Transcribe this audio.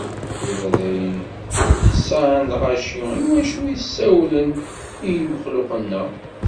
Tura d ayen ḥsan lɣaci i wacu i d-ssawlen imexluqen-a.